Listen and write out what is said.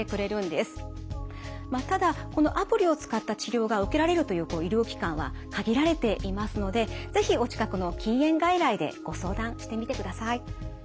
ただこのアプリを使った治療が受けられるという医療機関は限られていますので是非お近くの禁煙外来でご相談してみてください。